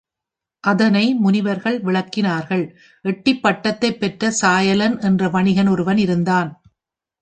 அதனை முனிவர்கள் விளக்கினார்கள் எட்டிப் பட்டத்தைப் பெற்ற சாயலன் என்ற வணிகன் ஒருவன் இருந்தான்.